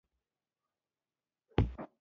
لولا د یوه کارګر ګوند د جوړېدو ایډیا مطرح کړه.